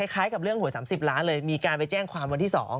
คล้ายกับเรื่องหวย๓๐ล้านเลยมีการไปแจ้งความวันที่๒